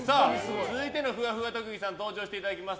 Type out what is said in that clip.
続いてのふわふわ特技さん登場していただきます。